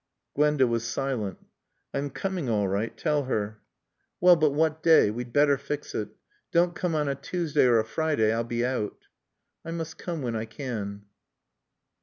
Gwenda was silent. "I'm coming all right, tell her." "Well, but what day? We'd better fix it. Don't come on a Tuesday or a Friday, I'll be out." "I must come when I can."